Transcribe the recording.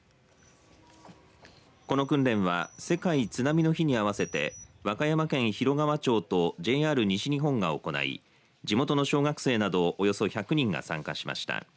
この訓練は世界津波の日に合わせて和歌山県広川町とＪＲ西日本が行い地元の小学生などおよそ１００人が参加しました。